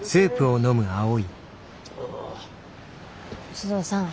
須藤さん。